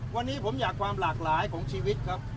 วันนี้ผมอยากความหลากหลายของชีวิตครับ